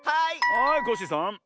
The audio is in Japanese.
はいコッシーさん。